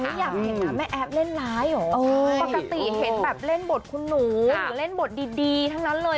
อยากเห็นนะแม่แอฟเล่นร้ายเหรอปกติเห็นแบบเล่นบทคุณหนูเล่นบทดีทั้งนั้นเลย